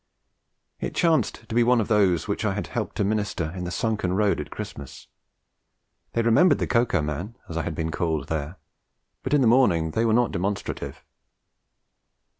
It chanced to be one of those to which I had helped to minister in the sunken road at Christmas. They remembered the Cocoa Man, as I had been called there, but in the morning they were not demonstrative.